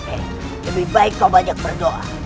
eh lebih baik kau banyak berdoa